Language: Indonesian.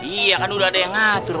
iya kan udah deh ngatur